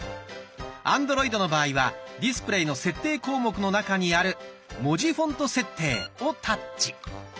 アンドロイドの場合は「ディスプレイ」の設定項目の中にある「文字フォント設定」をタッチ。